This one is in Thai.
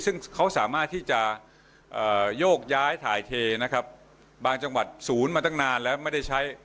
ซึ่งเขาสามารถที่จะโยกย้ายถ่ายเทนะครับบางจังหวัดศูนย์มาตั้งนานแล้วไม่ได้ใช้